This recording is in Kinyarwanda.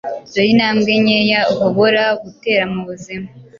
Dore intambwe nkeya uhobora guteramubuzima